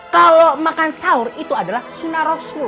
kalau makan sahur itu adalah sunnah rasulullah